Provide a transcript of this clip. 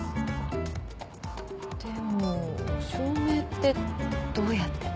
でも証明ってどうやって？